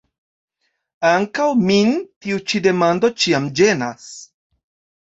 Ankaŭ min tiu ĉi demando ĉiam ĝenas.